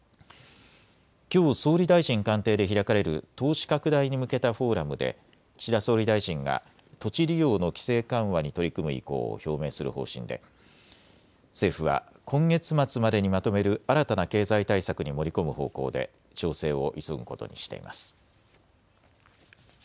きょう総理大臣官邸で開かれる投資拡大に向けたフォーラムで岸田総理大臣が土地利用の規制緩和に取り組む意向を表明する方針で政府は今月末までにまとめる新たな経済対策に盛り込む方向で調整を急ぐことにしています。